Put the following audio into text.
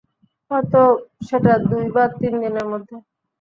হয়তো সেটা দুই বা তিনদিনের মধ্যে।